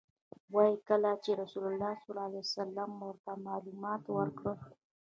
وایي کله چې رسول الله صلی الله علیه وسلم ورته معلومات ورکړل.